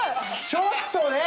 ちょっとね。